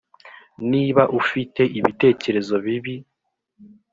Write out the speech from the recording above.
Niba ufite ibitekerezo bibi